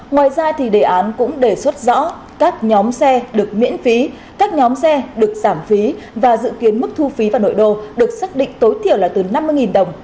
ngoài ra thì đề án cũng đề xuất rõ các nhóm xe được miễn phí các nhóm xe được giảm phí và dự kiến mức thu phí vào nội đô được xác định tối thiểu là từ năm mươi đồng